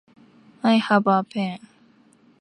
I have a pen.